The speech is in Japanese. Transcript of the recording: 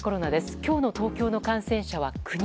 今日の東京の感染者は９人。